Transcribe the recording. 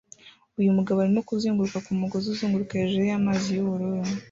Uyu mugabo arimo kuzunguruka ku mugozi uzunguruka hejuru y'amazi y'ubururu